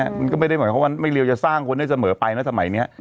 มันก็ไม่ได้หมายความว่าไม่เรียวจะสร้างคนได้เสมอไปนะสมัยนี้